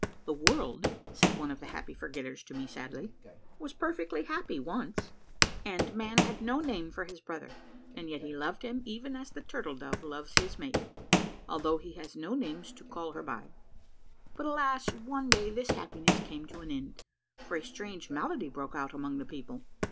"The world," said one of th^ Happy Forgetters to me sadly, " was perfectly happy once, and man had no name for his brother, and yet he loved him even as the turtle dove loves his mate, al though he has no names to call her by. But, alas, one day this happiness came to an end, for a strange malady broke out among the people.